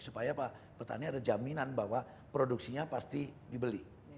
supaya petani ada jaminan bahwa produksinya pasti dibeli